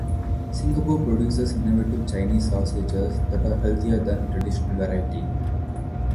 Singapore produces innovative Chinese sausages that are healthier than the traditional variety.